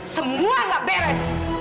semua nggak beres